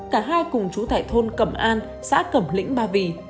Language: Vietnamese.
cả hai cùng chú tại thôn cẩm an xã cẩm lĩnh ba vì